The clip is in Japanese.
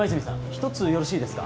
ひとつよろしいですか？